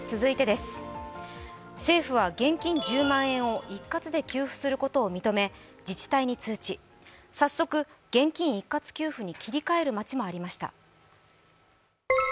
政府は現金１０万円を一括で給付することを認め自治体に通知、早速現金一括給付に切り替えるまちもありました。